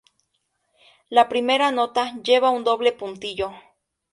La primera nota lleva un doble puntillo.